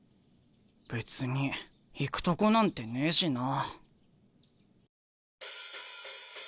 別に行くとこなんてねえしな。